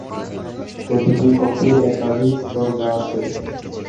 প্রতিটি কক্ষে একাধিক দরজা আছে।